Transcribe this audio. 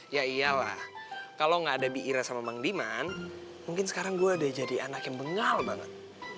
ya iyalah kalo ga ada biira sama bang diman mungkin sekarang gue udah jadi anak yang bengal banget